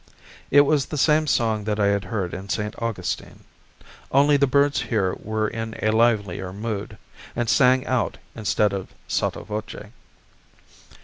It was the same song that I had heard in St. Augustine; only the birds here were in a livelier mood, and sang out instead of sotto voce.